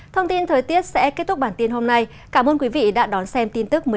thông tin thời tiết sẽ kết thúc bản tin hôm nay cảm ơn quý vị đã đón xem tin tức một mươi h